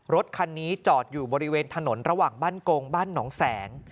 รถคันนี้จอดอยู่บริเวณถนนระหว่างบ้านกงบ้านหนองแสง